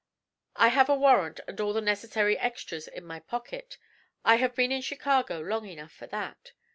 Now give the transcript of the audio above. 'I have a warrant and all the necessary extras in my pocket. I have been in Chicago long enough for that.'